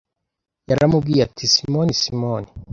Yaramubwiye ati: Simoni, Simoni,